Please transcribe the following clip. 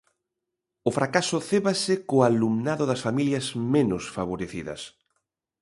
O fracaso cébase co alumnado das familias menos favorecidas.